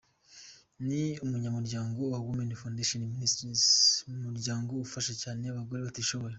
Ni umunyamuryango wa Women Foundation Ministries umuryango ufasha cyane abagore batishoboye.